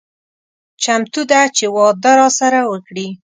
چمتو ده چې واده راسره وکړي.